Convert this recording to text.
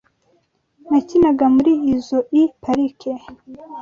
Nakinaga muri izoi parike.